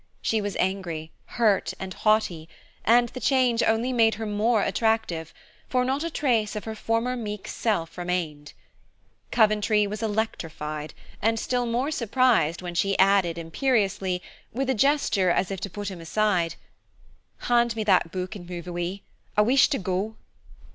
She was angry, hurt, and haughty, and the change only made her more attractive, for not a trace of her former meek self remained. Coventry was electrified, and still more surprised when she added, imperiously, with a gesture as if to put him aside, "Hand me that book and move away. I wish to go."